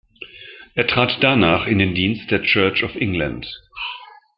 Er trat danach in den Dienst der Church of England.